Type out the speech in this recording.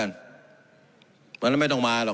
เพราะฉะนั้นไม่ต้องมาหรอก